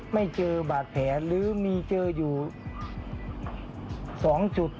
ไม่เจอบาดแผลหรือมีเจออยู่๒จุด